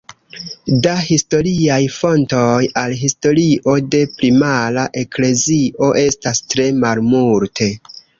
Da historiaj fontoj al historio de primara eklezio estas tre malmulte.